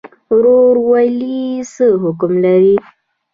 ورورولي څه حکم لري؟